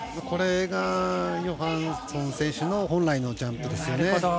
これがヨハンソン選手の本来のジャンプですよね。